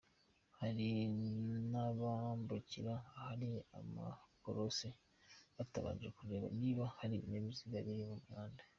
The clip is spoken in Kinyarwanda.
Hari n’abambukira ahari amakorosi batabanje kureba niba hari ibinyabiziga biri mu muhanda.